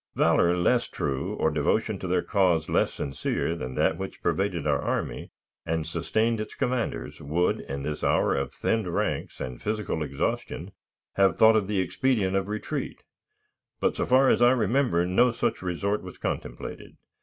Valor less true or devotion to their cause less sincere than that which pervaded our army and sustained its commanders would, in this hour of thinned ranks and physical exhaustion, have thought of the expedient of retreat; but, so far as I remember, no such resort was contemplated.